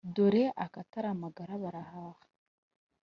dore“akatari amagara barahaha”.